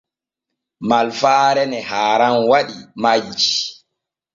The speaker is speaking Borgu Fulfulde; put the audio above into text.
Malfaare ne haaran waɗi majjii.